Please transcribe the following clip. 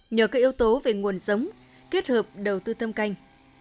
nhờ các yếu tố về nguồn sống kết hợp đầu tư tâm canh